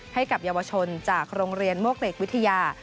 ให้กับเยาวชนจากโรงเรียนโมกเหล็กวิทยา